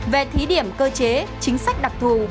về thí điểm cơ chế chính sách đặc thù